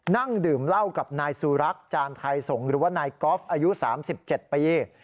นั่งดื่มเหล้ากับนายสุรักษ์จานไทยสงศ์หรือว่านายกอล์ฟอายุ๓๗ปี